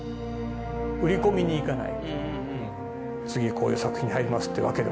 売り込みに行かない。